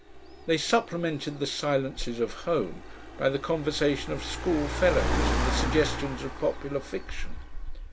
They supplemented the silences of home by the conversation of schoolfellows and the suggestions of popular fiction.